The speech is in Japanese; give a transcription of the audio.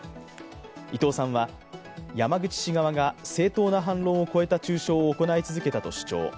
伊藤さんは、山口氏側が正当な反論を超えた中傷を行い続けたと主張。